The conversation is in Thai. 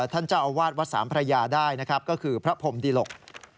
ท่านเจ้าอาวาสวัดสามพระยาได้นะครับก็คือพระพรมดิหลก